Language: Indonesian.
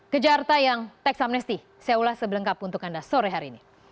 kejar tayang teks amnesti saya ulas sebelengkap untuk anda sore hari ini